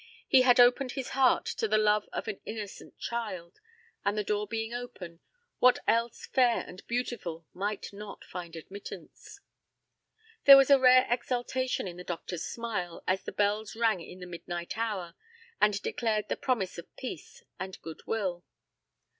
He had opened his heart to the love of an innocent child, and the door being open, what else fair and beautiful might not find admittance. There was a rare exultation in the doctor's smile, as the bells rang in the midnight hour, and declared the promise of peace and good will.